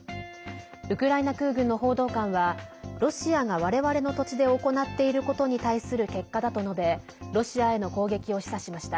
ウクライナ空軍の報道官はロシアが我々の土地で行っていることに対する結果だと述べロシアへの攻撃を示唆しました。